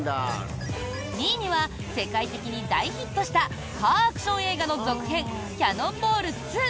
２位には世界的に大ヒットしたカーアクション映画の続編「キャノンボール２」。